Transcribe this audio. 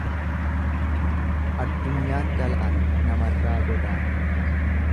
Addunyaan galaana namarraa godaana.